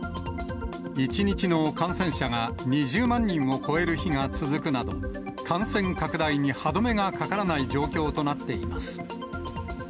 １日の感染者が２０万人を超える日が続くなど、感染拡大に歯止めがかからない状況となっています。